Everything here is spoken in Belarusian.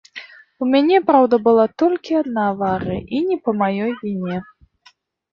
У мяне, праўда, была толькі адна аварыя і не па маёй віне.